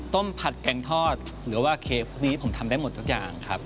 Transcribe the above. ผัดแกงทอดหรือว่าเค้กนี้ผมทำได้หมดทุกอย่างครับ